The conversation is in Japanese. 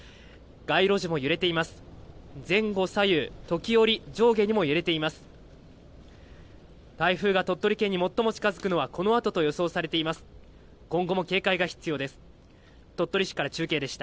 街路樹も揺れています。